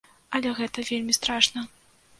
Але гэта вельмі страшна.